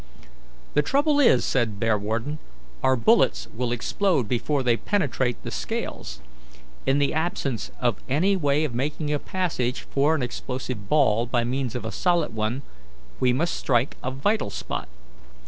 "The trouble is," said Bearwarden, "our bullets will explode before they penetrate the scales. In the absence of any way of making a passage for an explosive ball by means of a solid one, we must strike a vital spot.